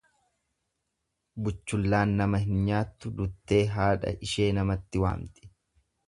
Buchullaan nama hin nyaattu duttee haadha ishee namatti waamti.